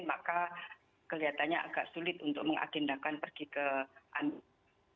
maka kelihatannya agak sulit untuk mengagendakan pergi ke anur